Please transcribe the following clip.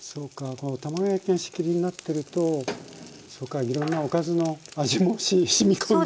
この卵焼きが仕切りになってるとそうかいろんなおかずの味もしみ込んできたり。